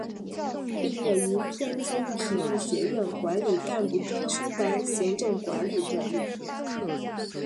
毕业于天津体育学院管理干部专修班行政管理专业。